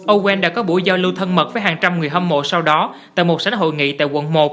oe đã có buổi giao lưu thân mật với hàng trăm người hâm mộ sau đó tại một sảnh hội nghị tại quận một